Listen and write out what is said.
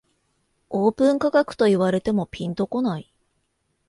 オープン価格と言われてもピンとこない